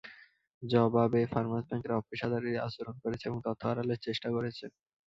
জবাবে Farmers Bank অপেশাদারি আচরণ করেছে এবং তথ্য আড়ালের চেষ্টা করেছে।